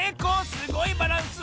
すごいバランス！